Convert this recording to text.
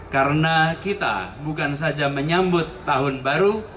karena kita bukan saja menyambut tahun baru